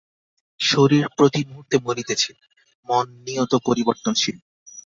শরীর প্রতি মুহূর্তে মরিতেছে, মন নিয়ত পরিবর্তনশীল।